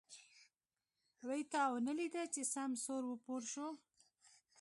وی تا ونه ليده چې سم سور و پور شو.